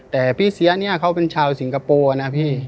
แต่พี่เสียเนี่ยเขาเป็นชาวสิงคโปร์นะพี่